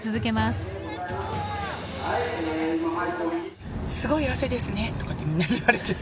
「すごい汗ですね」とかってみんなに言われて。